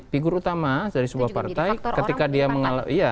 figur utama dari sebuah partai ketika dia mengalami